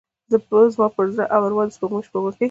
زما پر زړه او اروا د سپوږمۍ شپوکې،